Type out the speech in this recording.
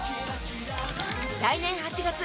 来年８月